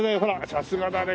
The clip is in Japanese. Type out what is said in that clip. さすがだね